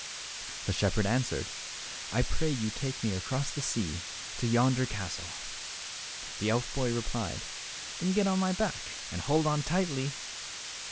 The shepherd answered, "I pray you take me across the sea, to yonder castle." The elf boy replied, "Then get on my back, and hold on tightly."